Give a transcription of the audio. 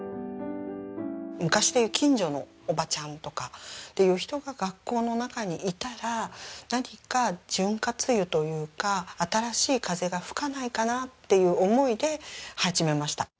昔でいう近所のおばちゃんとかっていう人が学校の中にいたら何か潤滑油というか新しい風が吹かないかなっていう思いで始めました。